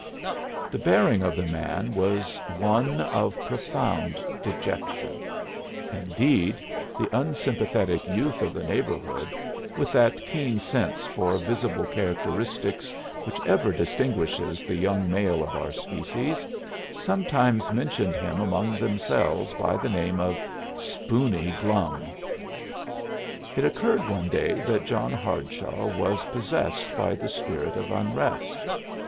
The bearing of the man was one of profound dejection; indeed, the unsympathetic youth of the neighborhood, with that keen sense for visible characteristics which ever distinguishes the young male of our species, sometimes mentioned him among themselves by the name of Spoony Glum. It occurred one day that John Hardshaw was possessed by the spirit of unrest.